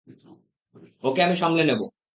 ওকে আমি সামলে নেবো।